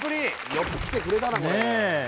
よく来てくれたなこれねえ